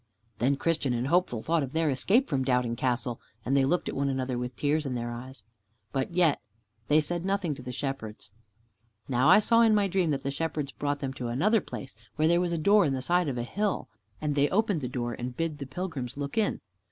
Then Christian and Hopeful thought of their escape from Doubting Castle, and they looked at one another with tears in their eyes. But yet they said nothing to the Shepherds. Now I saw in my dream that the Shepherds brought them to another place, where was a door in the side of a hill, and they opened the door and bid the pilgrims look in.